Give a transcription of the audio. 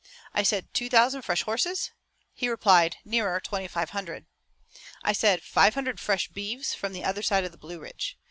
I said: 'Two thousand fresh horses?' He replied: 'Nearer twenty five hundred.' I said: 'Five hundred fresh beeves from the other side of the Blue Ridge.'